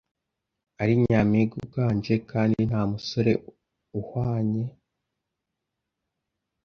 Ari nyampinga uganje, kandi ntamusore uhanganye nawe uzamwambura.